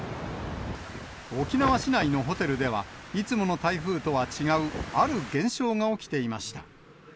沖縄市内のホテルでは、いつもの台風とは違うある現象が起きていました。